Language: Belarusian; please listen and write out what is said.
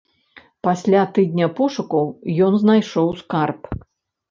Пасля тыдня пошукаў ён знайшоў скарб.